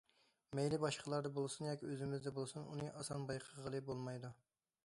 مەيلى باشقىلاردا بولسۇن ياكى ئۆزىمىزدە بولسۇن، ئۇنى ئاسان بايقىغىلى بولمايدۇ.